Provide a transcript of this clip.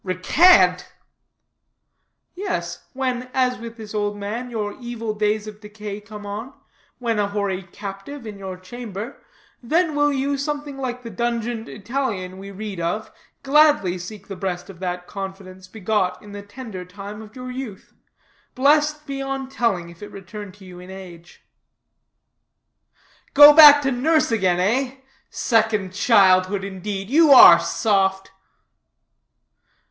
"Recant?" "Yes, when, as with this old man, your evil days of decay come on, when a hoary captive in your chamber, then will you, something like the dungeoned Italian we read of, gladly seek the breast of that confidence begot in the tender time of your youth, blessed beyond telling if it return to you in age." "Go back to nurse again, eh? Second childhood, indeed. You are soft."